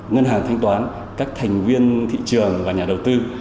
ngân hàng thanh toán các thành viên thị trường và nhà đầu tư